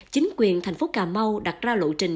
chính quyền thành phố cà mau đặt ra lộ trình